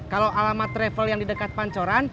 kalau alamat travel yang di dekat pancoran